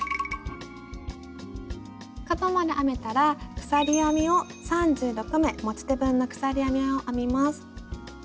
角まで編めたら鎖編みを３６目持ち手分の鎖編みを編みます。